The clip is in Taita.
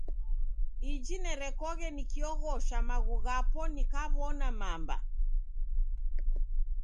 Iji nerekoghe nikioghosha maghu ghapo nikaw'ona mamba.